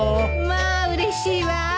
まあうれしいわ。